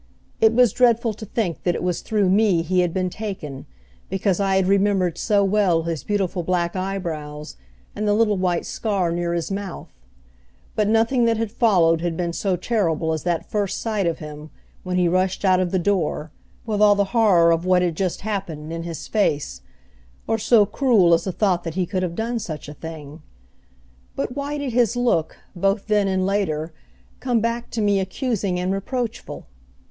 It was dreadful to think that it was through me he had been taken, because I had remembered so well his beautiful black eyebrows, and the little white scar near his mouth; but nothing that had followed had been so terrible as that first sight of him, when he rushed out of the door, with all the horror of what had just happened, in his face; or so cruel as the thought that he could have done such a thing. But why did his look, both then and later, come back to me accusing and reproachful?